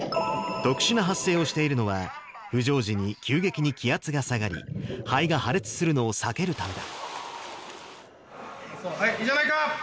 特殊な発声をしているのは、浮上時に急激に気圧が下がり、肺が破裂するのを避けるためだ。